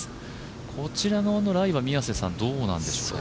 こちらのライはどうなんでしょうね。